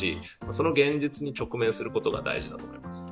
その現実に直面するのが大事なことだと思います。